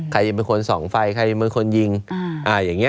ใครจะเป็นคนส่องไฟใครเป็นคนยิงอย่างนี้